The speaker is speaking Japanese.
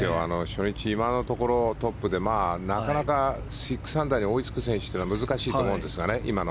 初日、今のところトップでなかなか６アンダーに追いつく選手は難しいと思うんですがね。